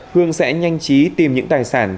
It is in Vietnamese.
hương sẽ nhanh chí tìm những tài sản